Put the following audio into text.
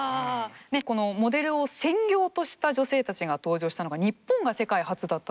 このモデルを専業とした女性たちが登場したのが日本が世界初だったっていうことで。